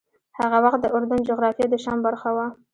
هغه وخت د اردن جغرافیه د شام برخه وه.